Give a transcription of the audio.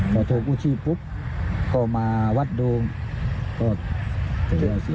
พอโทรกู้ชีพปุ๊บก็มาวัดโดมก็